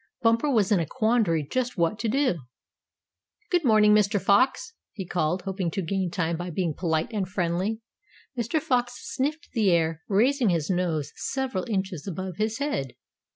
Bumper was in a quandary just what to do. "Good morning, Mr. Fox!" he called, hoping to gain time by being polite and friendly. Mr. Fox sniffed the air, raising his nose several inches above his head.